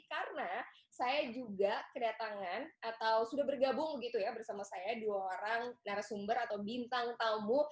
karena saya juga kedatangan atau sudah bergabung gitu ya bersama saya dua orang narasumber atau bintang tamu